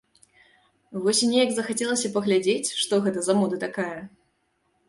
Вось і неяк захацелася паглядзець, што гэта за мода такая.